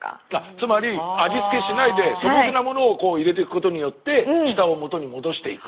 つまり味付けしないで素朴なものをこう入れていくことによって舌を元に戻していく。